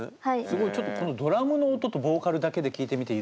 すごいちょっとこのドラムの音とボーカルだけで聴いてみていいですか？